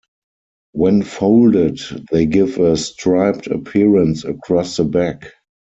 When folded, they give a striped appearance across the back.